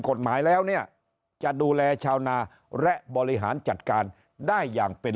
กฎหมายแล้วเนี่ยจะดูแลชาวนาและบริหารจัดการได้อย่างเป็น